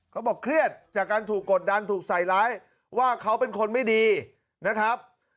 เขาบอกเครียดจากการถูกกดดันถูกใส่ร้ายว่าเขาเป็นคนไม่ดีนะครับ